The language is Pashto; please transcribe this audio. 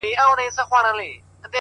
د ميني شر نه دى چي څـوك يـې پــټ كړي!